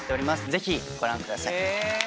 ぜひご覧ください。